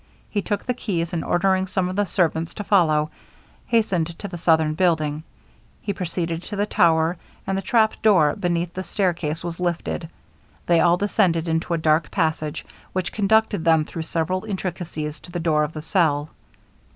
He took the keys, and ordering some of the servants to follow, hastened to the southern building; he proceeded to the tower, and the trapdoor beneath the stair case was lifted. They all descended into a dark passage, which conducted them through several intricacies to the door of the cell.